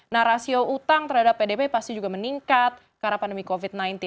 nah rasio utang terhadap pdp pasti juga meningkat karena pandemi covid sembilan belas